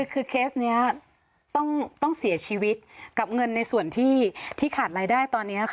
คือเคสนี้ต้องเสียชีวิตกับเงินในส่วนที่ขาดรายได้ตอนนี้